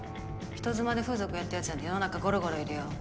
人妻で風俗やってるやつなんて世の中ゴロゴロいるよ。